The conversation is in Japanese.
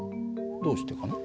どうしてかな？